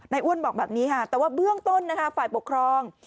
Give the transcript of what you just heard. นายอ้วนบอกแบบนี้แต่ว่าเบื้องต้นฝ่ายปกครอง